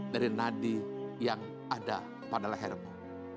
dari nadi yang ada pada lehermu